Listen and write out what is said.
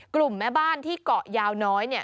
แม่บ้านที่เกาะยาวน้อยเนี่ย